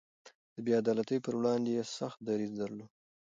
د بې عدالتۍ پر وړاندې يې سخت دريځ درلود.